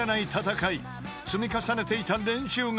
［積み重ねていた練習が］